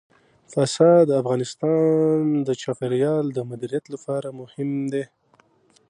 پسه د افغانستان د چاپیریال د مدیریت لپاره مهم دي.